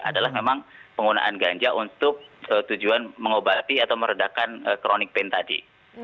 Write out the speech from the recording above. adalah memang penggunaan ganja untuk tujuan mengobati atau meredakan kronic pain tadi